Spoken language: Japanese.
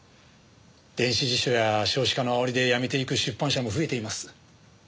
電子辞書や少子化のあおりでやめていく出版社も増えています。